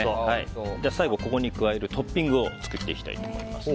最後ここに加えるトッピングを作っていきたいと思います。